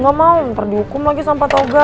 gak mau ntar dihukum lagi sama toga